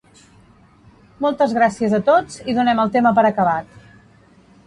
Moltes gràcies a tots, i donem el tema per acabat.